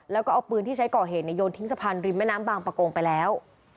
แล้วก็เอาปืนที่ใช้ก่อเหตุโยนทิ้งสะพานริมแม่น้ำบางประกงไปแล้ว